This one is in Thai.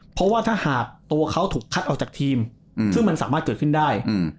เพราะว่าถ้าหากตัวเขาถูกคัดออกจากทีมซึ่งมันสามารถเกิดขึ้นได้